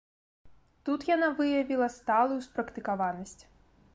Тут яна выявіла сталую спрактыкаванасць.